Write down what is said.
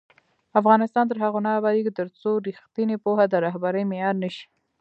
افغانستان تر هغو نه ابادیږي، ترڅو ریښتینې پوهه د رهبرۍ معیار نه شي.